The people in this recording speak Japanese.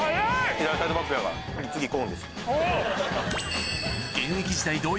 左サイドバック次コーンです。